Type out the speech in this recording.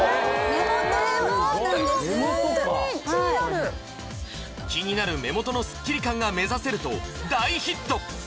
目元ホントに気になる気になる目元のスッキリ感が目指せると大ヒット